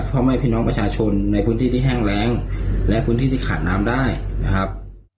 พ่อแม่พี่น้องประชาชนในพื้นที่ที่แห้งแรงและพื้นที่ที่ขาดน้ำได้นะครับ